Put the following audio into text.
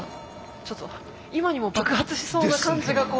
ちょっと今にも爆発しそうな感じが怖い。